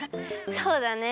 そうだね。